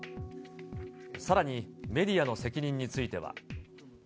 さらに、メディアの責任については。